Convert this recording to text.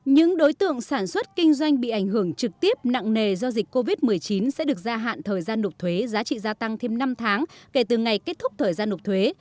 những đối tượng sản xuất kinh doanh bị ảnh hưởng trực tiếp nặng nề do dịch covid một mươi chín sẽ được gia hạn thời gian nộp thuế giá trị gia tăng thêm năm tháng kể từ ngày kết thúc thời gian nộp thuế